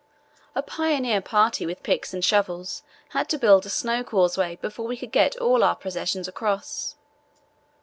A pioneer party with picks and shovels had to build a snow causeway before we could get all our possessions across.